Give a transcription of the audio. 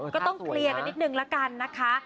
ก็ต้องเคลียร์กันนิดนึงละกันนะคะ